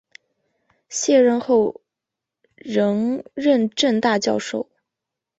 卸任后仍任政大教授。